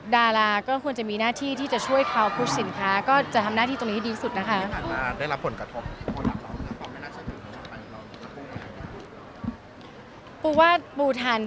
ดาราก็ควรจะมีหน้าที่ที่จะช่วยเขาพุชสินค้าก็จะทำน่าที่ที่ดีที่สุดนะคะ